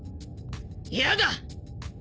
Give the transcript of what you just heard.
嫌だ。